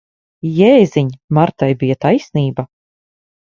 Jēziņ! Martai bija taisnība.